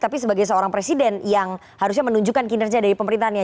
tapi sebagai seorang presiden yang harusnya menunjukkan kinerja dari pemerintahnya